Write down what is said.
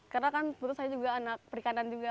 karena kan menurut saya juga anak perikanan juga